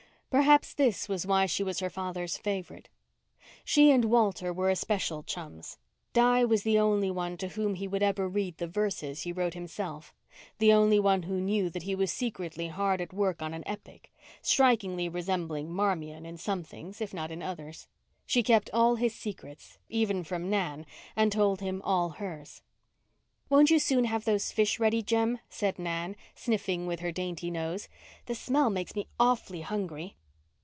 Perhaps this was why she was her father's favourite. She and Walter were especial chums; Di was the only one to whom he would ever read the verses he wrote himself—the only one who knew that he was secretly hard at work on an epic, strikingly resembling "Marmion" in some things, if not in others. She kept all his secrets, even from Nan, and told him all hers. "Won't you soon have those fish ready, Jem?" said Nan, sniffing with her dainty nose. "The smell makes me awfully hungry."